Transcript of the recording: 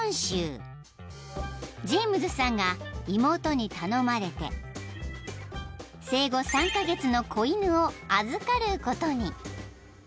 ［ジェームズさんが妹に頼まれて生後３カ月の子犬を預かることに］